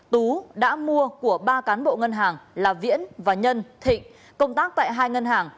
tú đã mua của ba cán bộ ngân hàng là viễn và nhân thịnh công tác tại hai ngân hàng